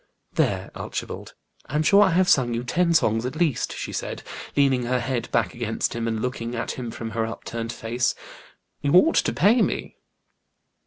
"There, Archibald, I am sure I have sung you ten songs at least," she said, leaning her head back against him, and looking at him from her upturned face. "You ought to pay me."